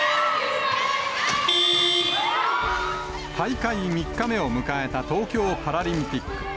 大会３日目を迎えた東京パラリンピック。